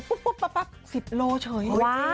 ปุ๊บปะ๑๐กิโลเฉย